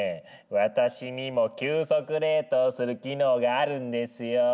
私にも急速冷凍する機能があるんですよ！